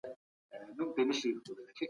سیاسي انقلابونه د ټولنپوهنې د پیدایښت عامل دي.